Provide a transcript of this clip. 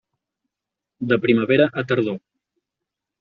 De primavera a tardor.